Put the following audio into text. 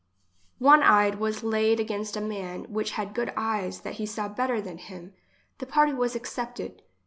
One eyed was laied against a man which had good eyes that he saw better than him. The party was accepted.